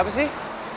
ya bagus deh